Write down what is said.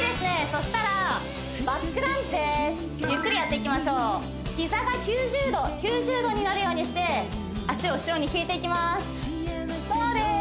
そしたらバックランジですゆっくりやっていきましょう膝が９０度になるようにして脚を後ろに引いていきますそうです